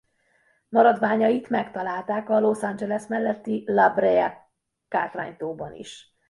Maradványait megtalálták a Los Angeles melletti La Brea-kátránytóban is.